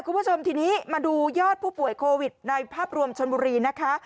คุณผู้ชมทีนี้มาดูยอดผู้ป่วยโควิดในภาพรวมชนบุรีนะคะ